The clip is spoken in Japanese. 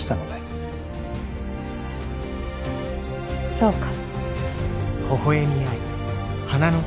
そうか。